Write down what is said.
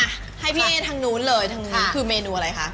ให้พี่เอทางนู้นเลยคือเมนูอะไรคะ